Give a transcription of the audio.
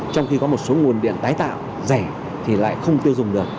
trong khi có một số nguồn điện tái tạo rẻ thì lại không tiêu dùng được